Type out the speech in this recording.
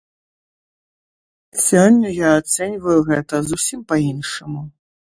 Сёння я ацэньваю гэта зусім па-іншаму.